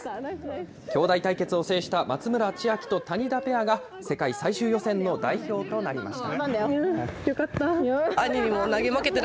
きょうだい対決を制した松村千秋と谷田ペアが、世界最終予選の代表となりました。